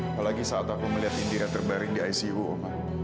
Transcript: apalagi saat aku melihat india terbaring di icu oma